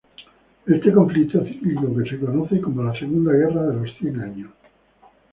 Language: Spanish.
Este conflicto cíclico que se conoce como la Segunda Guerra de los Cien Años.